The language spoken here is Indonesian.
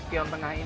pion tengah ini